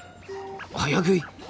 早食い！